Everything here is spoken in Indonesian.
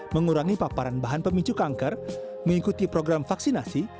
mengurangi paparan bahan pemicu kanker mengikuti program vaksinasi